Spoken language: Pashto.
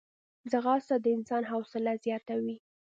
ځغاسته د انسان حوصله زیاتوي